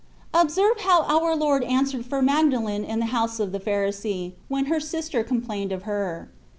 Observe how our Lord answered for Magdalen in the house of the Pharisee, when her sister complained of her.